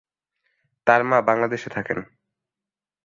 তাঁর মা বাংলাদেশে থাকেন।